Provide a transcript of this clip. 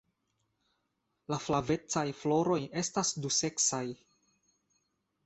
La flavecaj floroj estas duseksaj.